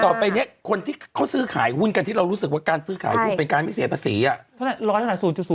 คือเท่าไปเนี้ยคนที่เขาซื้อขายหุ้นการซื้อขายหุ้นเป็นการไม่เสียภาษี